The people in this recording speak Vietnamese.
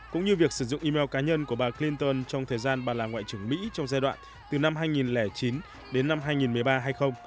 cũng như việc sử dụng email cá nhân của bà clinton trong thời gian bà là ngoại trưởng mỹ trong giai đoạn từ năm hai nghìn chín đến năm hai nghìn một mươi ba hay không